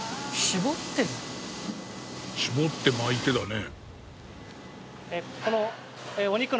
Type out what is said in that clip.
絞って巻いてだね。